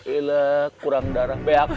eh kurang darah behak